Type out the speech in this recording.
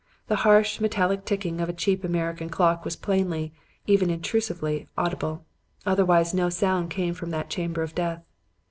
The harsh, metallic ticking of a cheap American clock was plainly, even intrusively, audible; otherwise no sound came from that chamber of death.